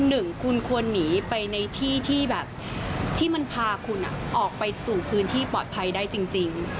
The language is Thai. หนึ่งคุณควรหนีไปในที่ที่แบบที่มันพาคุณออกไปสู่พื้นที่ปลอดภัยได้จริง